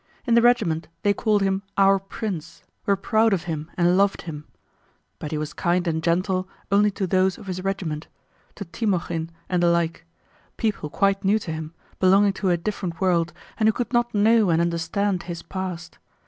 In the regiment they called him "our prince," were proud of him and loved him. But he was kind and gentle only to those of his regiment, to Timókhin and the like—people quite new to him, belonging to a different world and who could not know and understand his past.